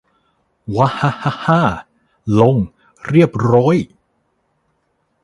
วะฮะฮะฮ่า ลง เรียบโร้ย